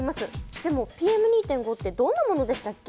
でもＰＭ２．５ってどんなものでしたっけ？